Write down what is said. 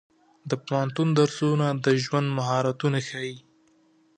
د پوهنتون درسونه د ژوند مهارتونه ښيي.